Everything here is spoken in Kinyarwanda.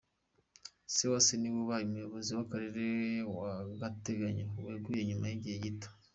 Sewase niwe ubaye umuyobozi w’Akarere w’agatenyo weguye nyuma y’igihe gito.